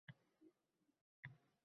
Men tushundim bularni